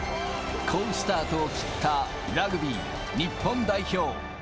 好スタートを切ったラグビー日本代表。